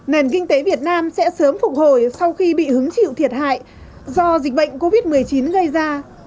nền kinh tế việt nam sẽ sớm phục hồi sau khi bị hứng chịu thiệt hại do dịch bệnh covid một mươi chín gây ra